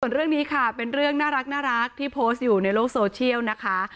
ส่วนเรื่องนี้ค่ะเป็นเรื่องน่ารักที่โพสต์อยู่ในโลกโซเชียลนะคะ